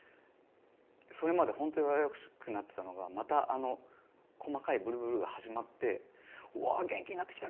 それまでほんと弱々しくなってたのがまたあの細かいブルブルが始まって「おお元気になってきた。